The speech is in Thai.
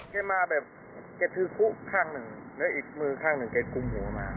แกมาแบบแกถือคุข้างหนึ่งแล้วอีกมือข้างหนึ่งแกคุมหัวมา